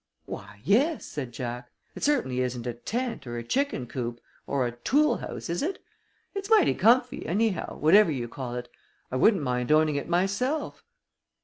"Why, yes," said Jack. "It certainly isn't a tent, or a chicken coop, or a tool house, is it? It's mighty comfy anyhow, whatever you call it. I wouldn't mind owning it myself."